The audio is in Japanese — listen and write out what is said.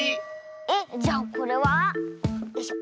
えっじゃあこれは？よいしょ。